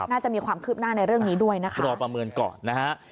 น่าจะมีความคืบหน้าในเรื่องนี้ด้วยนะคะรอประเมินก่อนนะฮะ